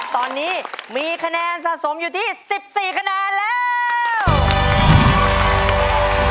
ตอนนี้มีคะแนนสะสมอยู่ที่๑๔คะแนนแล้ว